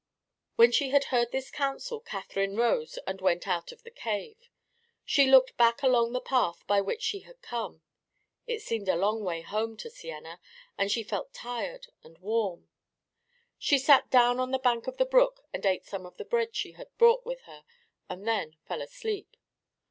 When she had heard this counsel Catherine rose and went out of the cave. She looked back along the path by which she had come; it seemed a long way home to Siena and she felt tired and warm. She sat down on the bank of the brook and ate some of the bread she had brought with her and then fell asleep.